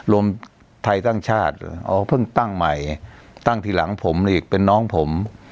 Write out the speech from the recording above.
รวมไทยสร้างชาติอ๋อเพิ่งตั้งใหม่ตั้งทีหลังผมอีกเป็นน้องผม